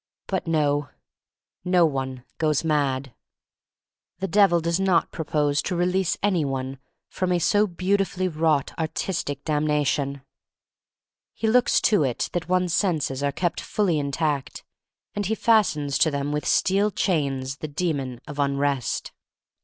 But no. No one goes mad. The THE STORY OF MARY MAC LANE ^^ Devil does not propose to release any one from a so beautifully wrought, artistic damnation. He looks to it that one's senses are kept fully intact, and he fastens to them with steel chains the Demon of Unrest.